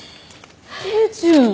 手順？